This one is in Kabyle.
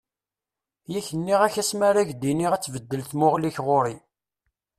Yak nniɣ-ak-d asma ara ak-d-iniɣ ad tbeddel tmuɣli-k ɣur-i.